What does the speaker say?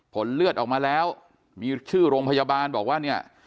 ผลเลือดออกมาแล้วมีชื่อโรงพยาบาลบอกว่าเนี่ย